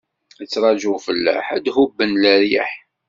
Ittṛaǧu ufellaḥ, ad d-hubben leryaḥ.